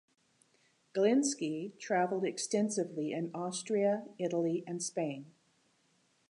Glinski traveled extensively in Austria, Italy, and Spain.